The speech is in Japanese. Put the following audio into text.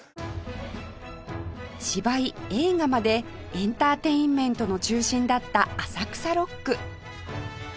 芝居映画までエンターテインメントの中心だった浅草六区